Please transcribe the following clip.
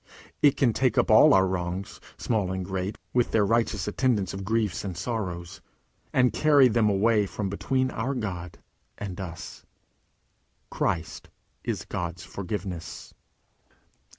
It can take up all our wrongs, small and great, with their righteous attendance of griefs and sorrows, and carry them away from between our God and us. Christ is God's Forgiveness.